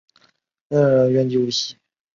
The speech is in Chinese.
原籍无锡。